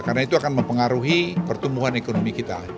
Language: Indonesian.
karena itu akan mempengaruhi pertumbuhan ekonomi kita